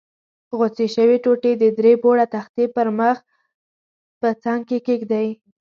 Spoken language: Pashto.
غوڅې شوې ټوټې د درې پوړه تختې پر مخ په څنګ کې کېږدئ.